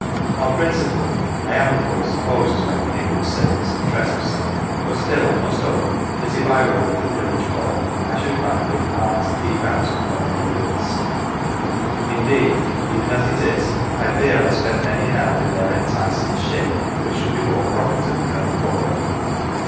On principle I am of course opposed to anything which savours of trespassing, but still I must own that if I were a little village boy I should find it hard to 173 ON THE OTHER SIDE keep out of Thornleigh woods ; indeed, even as it is, I fear I spend many an hour in their enticing shade which should be more profitably employed.